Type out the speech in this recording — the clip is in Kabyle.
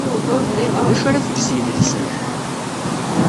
D acu ara teg s yidlisen-a?